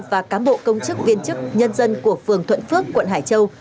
và cám bộ công chức viên chức nhân dân của phường thuận phước quận hải châu